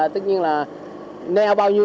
tất nhiên là né bao nhiêu